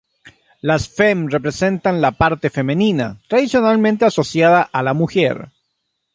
Las "femme" representan la parte femenina, tradicionalmente asociada a la mujer.